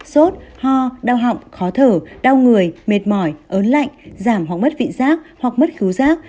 sốt ho đau họng khó thở đau người mệt mỏi ớn lạnh giảm hoặc mất vị giác hoặc mất cứu giác